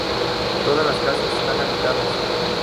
Todas las casas están habitadas.